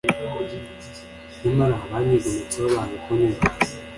nyamara banyigometseho, banga kunyumvira